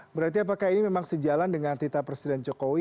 berarti apakah ini memang sejalan dengan tita presiden jokowi